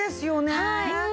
はい！